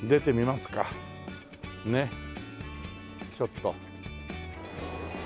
ねっちょっと。